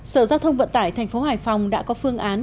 sở giao thông vận tải tp hải phòng đã có phương án